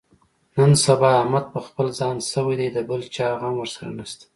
نن سبا احمد په خپل ځان شوی دی، د بل چا غم ورسره نشته.